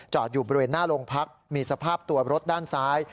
อยู่บริเวณหน้าโรงพักมีสภาพตัวรถด้านซ้าย